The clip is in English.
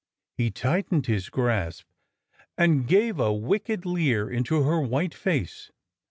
He tightened his grasp and gave a wicked leer into her white face.